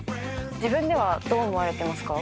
自分ではどう思われてますか？